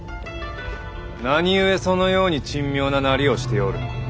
何故そのように珍妙ななりをしておる。